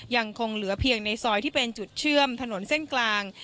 ยังคงเหลือเพียงในซอยที่เป็นจุดเชื่อมถนนเส้นกลาง